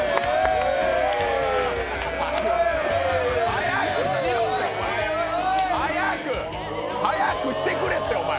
早くしろ、早くしてくれってお前。